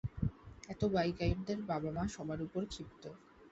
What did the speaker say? এতে বাইকারদের বাবা-মা সবার উপর ক্ষিপ্ত।